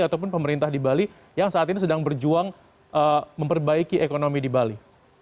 ataupun pemerintah di bali yang saat ini sedang berjuang memperbaiki ekonomi di bali